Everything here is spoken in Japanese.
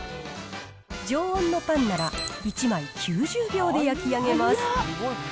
常温のパンなら１枚９０秒で焼き上げます。